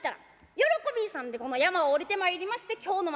喜び勇んでこの山を下りてまいりまして京の町。